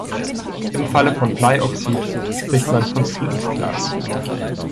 Im Falle von Bleioxid spricht man von Flintglas.